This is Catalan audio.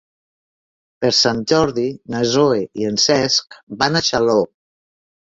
Per Sant Jordi na Zoè i en Cesc van a Xaló.